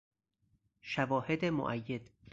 شواهد موید